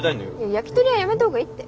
焼きとりはやめた方がいいって。